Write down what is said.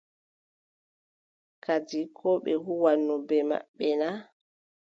Kadi koo ɓe kuwanno bee maɓɓe na ?